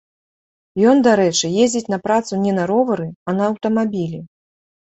Ён, дарэчы, ездзіць на працу не на ровары, а на аўтамабілі.